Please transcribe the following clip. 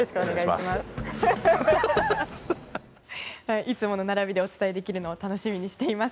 いつもの並びでお伝えできるのを楽しみにしています。